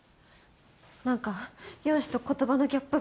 なんか容姿と言葉のギャップが。